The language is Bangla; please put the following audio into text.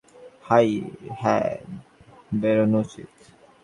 হ্যাঁ, বেরোনো উচিত।